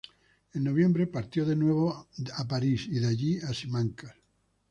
En noviembre partió de nuevo a París y de allí a Simancas.